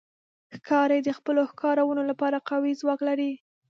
ښکاري د خپلو ښکارونو لپاره قوي ځواک لري.